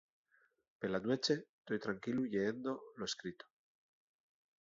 Pela nueche, toi tranquilu lleendo lo escrito.